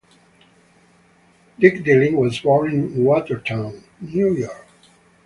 Dick Dillin was born in Watertown, New York.